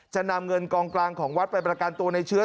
จะนำเงินกองกลางของวัดไปประกันตัวในเชื้อ